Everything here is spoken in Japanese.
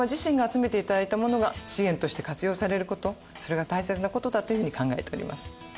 それが大切な事だというふうに考えております。